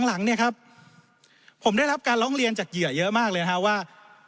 หลังผมได้รับการร้องเรียนจากเหยื่อเยอะมากเลยครับว่า